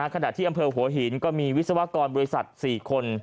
ขณะที่อำเภอหัวหินก็มีวิศวกรบริษัท๔คน